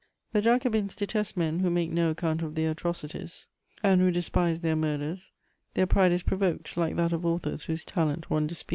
The Jacobins detest men who make no account of their atrocities and who despise their murders; their pride is provoked, like that of authors whose talent one disputes.